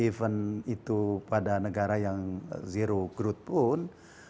even itu pada negara yang zero growth pun